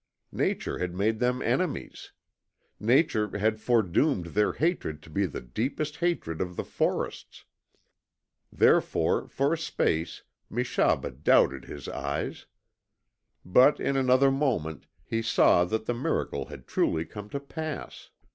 Nature had made them enemies. Nature had fore doomed their hatred to be the deepest hatred of the forests. Therefore, for a space, Meshaba doubted his eyes. But in another moment he saw that the miracle had truly come to pass.